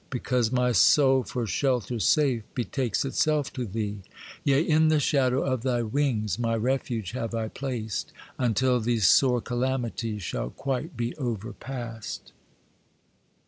Because my soul for shelter safe, Betakes itself to thee. 'Yea, in the shadow of thy wings My refuge have I placed, Until these sore calamities Shall quite be overpast.